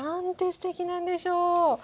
すてきなんでしょう。